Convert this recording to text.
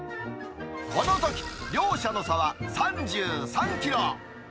このとき、両者の差は３３キロ。